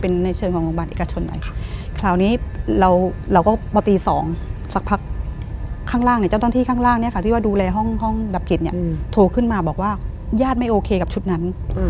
เป็นในเชิงของโรงบาลเอกชน